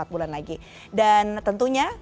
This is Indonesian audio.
empat bulan lagi dan tentunya